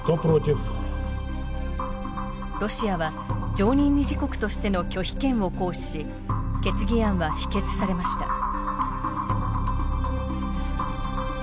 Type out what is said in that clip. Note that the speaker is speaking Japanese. ロシアは常任理事国としての拒否権を行使し決議案は否決されました。